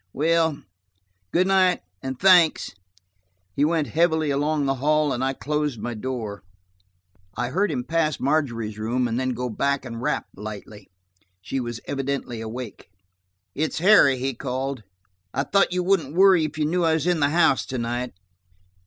"Well, good night, and thanks." He went heavily along the hall and I closed my door. I heard him pass Margery's room and then go back and rap lightly. She was evidently awake. "It's Harry," he called. "I thought you wouldn't worry if you knew I was in the house to night."